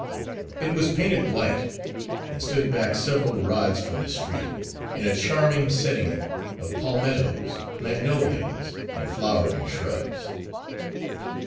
It was painted white, and stood back several rods from the street, in a charming setting of palmettoes, magnolias, and flowering shrubs.